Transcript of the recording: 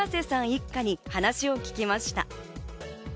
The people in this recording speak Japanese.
一家に話を聞きました。